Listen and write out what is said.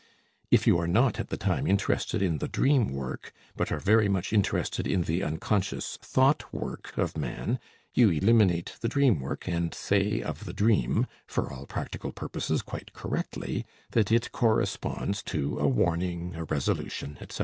If you are not at the time interested in the dream work, but are very much interested in the unconscious thought work of man, you eliminate the dream work, and say of the dream, for all practical purposes quite correctly, that it corresponds to a warning, a resolution, etc.